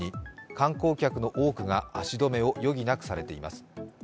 観光客の多くが足止めを余儀なくされています。